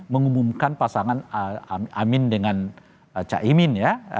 mengumumkan pasangan amin dengan cak imin